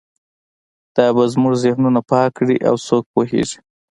دا به زموږ ذهنونه پاک کړي او څوک پوهیږي